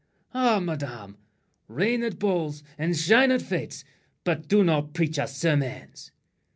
Ah, madame, reign at balls and shine at fêtes, But do not preach us sermons.